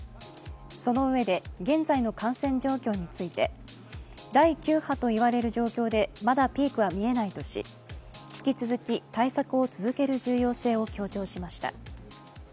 その上で現在の感染状況について第９波と言われる状況でまだピークは見えないとし引き続き対策を続ける重要性を強調しました。